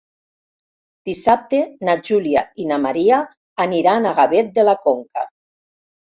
Dissabte na Júlia i na Maria aniran a Gavet de la Conca.